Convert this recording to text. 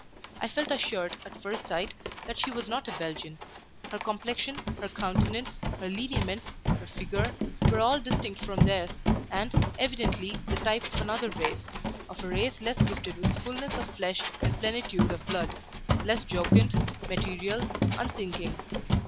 I felt assured, at first sight, that she was not a Belgian; her complexion, her countenance, her lineaments, her figure, were all distinct from theirs, and, evidently, the type of another race of a race less gifted with fullness of flesh and plenitude of blood; less jocund, material, unthinking.